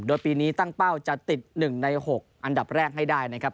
โดยปีนี้ตั้งเป้าจะติด๑ใน๖อันดับแรกให้ได้นะครับ